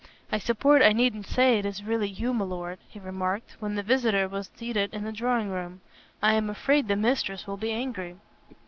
"I suppose I needn't say it is really you, m'lord," he remarked, when the visitor was seated in the drawing room, "I am afraid the mistress will be angry."